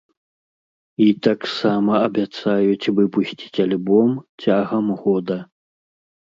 І таксама абяцаюць выпусціць альбом цягам года.